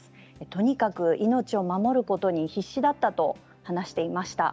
とにかく命を守ることに必死だったと話していました。